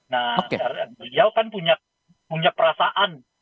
nah beliau kan punya perasaan